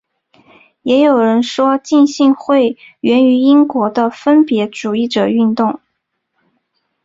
也有人说浸信会源于英国的分别主义者运动。